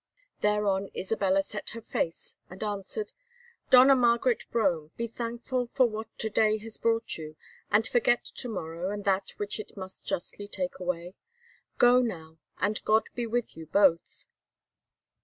Thereon Isabella set her face and answered: "Dona Margaret Brome, be thankful for what to day has brought you, and forget to morrow and that which it must justly take away. Go now, and God be with you both!"